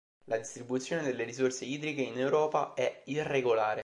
La distribuzione delle risorse idriche in Europa è irregolare.